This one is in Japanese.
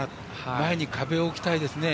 前に壁を置きたいですね。